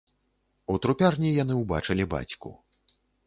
У трупярні яны ўбачылі бацьку.